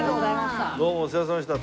どうもお世話さまでした。